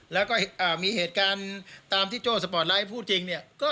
แล้วก็มีเหตุการณ์ตามที่โจ้สปอร์ตไลท์พูดจริงเนี่ย